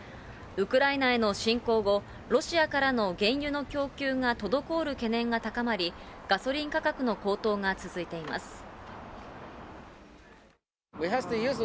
ウクライナへの侵攻後、ロシアからの原油の供給が滞る懸念が高まり、ガソリン価格の高騰が続いています。